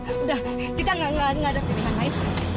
udah kita enggak ada perintah